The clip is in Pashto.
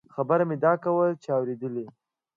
خبره مې دا کوله چې اورېدلې.